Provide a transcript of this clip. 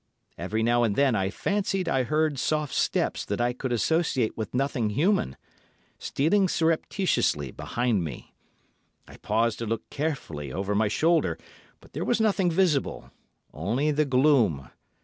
Every now and then I fancied I heard soft steps that I could associate with nothing human, stealing surreptitiously behind me. I paused and looked carefully over my shoulder, but there was nothing visible—only the gloom.